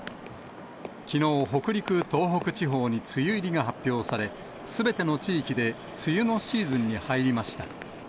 きのう、北陸、東北地方に梅雨入りが発表され、すべての地域で梅雨のシーズンに入りました。